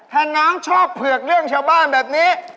ถ้าน้ำชอบเผือกเรื่องชาวบ้านแบบนี้